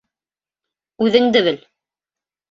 Үҙеңде бел!